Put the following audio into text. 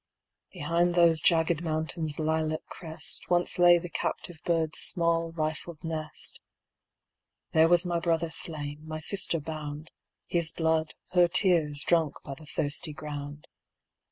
Behind those jagged Mountains' lilac crest Once lay the captive bird's small rifled nest. There was my brother slain, my sister bound; His blood, her tears, drunk by the thirsty ground.